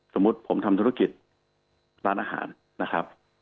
สมมุติผมทำธุรกิจร้านอาหารนะครับ